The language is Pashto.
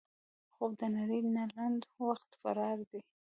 خوب د نړۍ نه لنډ وخت فرار دی